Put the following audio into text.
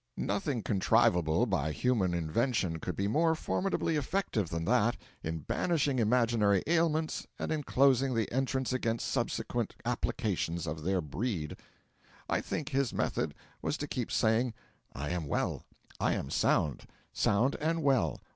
Nothing contrivable by human invention could be more formidably effective than that, in banishing imaginary ailments and in closing the entrances against subsequent applicants of their breed. I think his method was to keep saying, 'I am well! I am sound! sound and well!